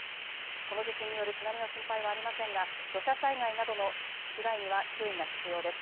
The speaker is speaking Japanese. この地震による津波の心配はありませんが土砂災害などの被害には注意が必要です。